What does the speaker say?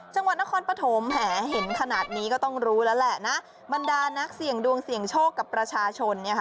จังหวัดนครปฐมเห็นขนาดนี้ก็ต้องรู้แล้วบันดานักเสี่ยงดวงเสี่ยงโชคกับประชาชน